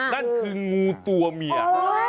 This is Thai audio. นั่นคืองูตัวเมีย